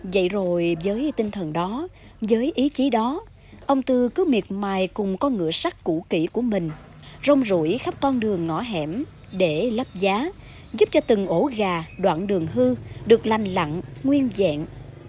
vậy rồi với tinh thần đó với ý chí đó ông tư cứ miệt mài cùng con ngựa sách cũ kỹ của mình rong rủi khắp con đường ngõ hẻm để lắp giá giúp cho từng ổ gà đoạn đường hư được lành lặng nguyên dạng